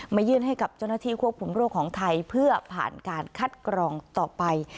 ยื่นให้กับเจ้าหน้าที่ควบคุมโรคของไทยเพื่อผ่านการคัดกรองต่อไป